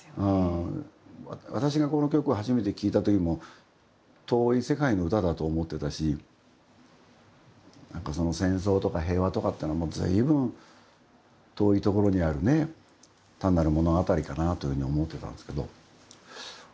私がこの曲を初めて聴いたときも遠い世界の歌だと思ってたし戦争とか平和とかってのはずいぶん遠いところにあるね単なる物語かなというふうに思ってたんですけど。